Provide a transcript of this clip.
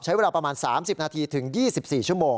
ใช้เวลาประมาณ๓๐นาทีถึง๒๔ชั่วโมง